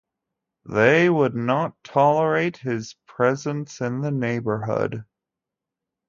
They would not tolerate his presence in the neighbourhood.